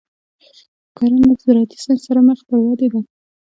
کرنه د زراعتي ساینس سره مخ پر ودې ده.